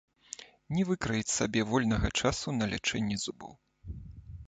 Не выкраіць сабе вольнага часу на лячэнне зубоў.